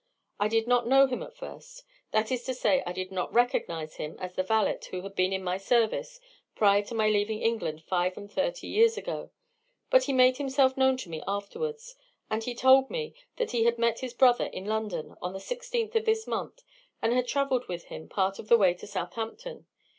I did not know him at first—that is to say, I did not recognize him as the valet who had been in my service prior to my leaving England five and thirty years ago. But he made himself known to me afterwards, and he told me that he had met his brother in London on the sixteenth of this month, and had travelled with him part of the way to Southampton.